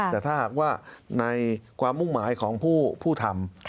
แต่ถ้าหากว่าในความมุ่งหมายของผู้ทำ